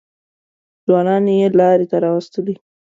ځوانان یې لارې ته راوستلي.